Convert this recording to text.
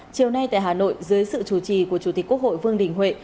chiều nay tại hà nội dưới sự chủ trì của chủ tịch quốc hội vương đình huệ